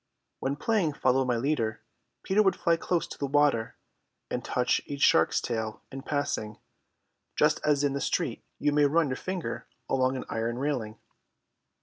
When playing Follow my Leader, Peter would fly close to the water and touch each shark's tail in passing, just as in the street you may run your finger along an iron railing.